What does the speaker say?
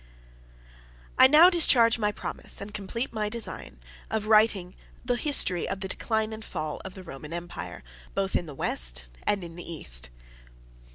I now discharge my promise, and complete my design, of writing the History of the Decline and Fall of the Roman Empire, both in the West and the East.